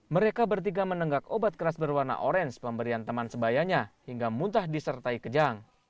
mereka bertiga menenggak obat keras berwarna orange pemberian teman sebayanya hingga muntah disertai kejang